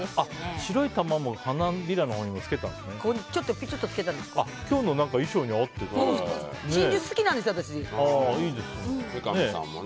白い玉も花びらのほうにつけたんですね。